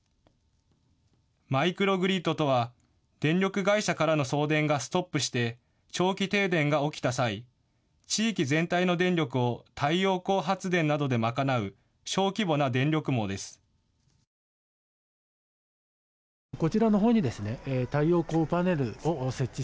マイクログリッドとは電力会社からの送電がストップして長期停電が起きた際、地域全体の電力を太陽光発電などで賄う小規模な電力網です。